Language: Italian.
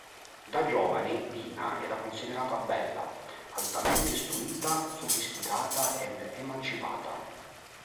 Da giovane, Dina era considerata bella, altamente istruita, sofisticata ed emancipata.